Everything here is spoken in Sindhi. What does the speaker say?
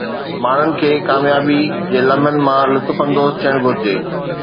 ماڻهن کي ڪاميابي جي لمحن مان لطف اندوز ٿيڻ گهرجي